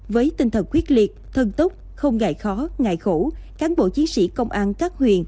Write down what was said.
với tinh thần quyết liệt thân tốt không ngại khó ngại khổ cán bộ chiến sĩ công an các huyện